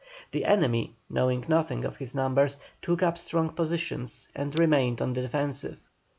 The enemy, knowing nothing of his numbers, took up strong positions, and remained on the defensive.